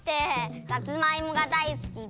さつまいもがだいすきで。